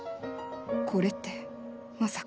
これってまさか。